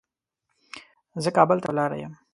زه کابل ته په لاره يم